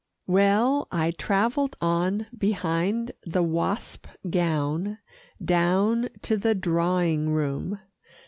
Well, I travelled on behind the wasp gown down to the drawing room.